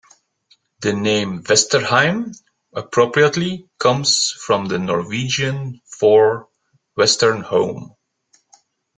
The name "Vesterheim" appropriately comes from the Norwegian for "western home".